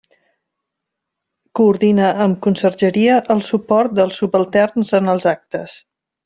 Coordina amb Consergeria el suport dels subalterns en els actes.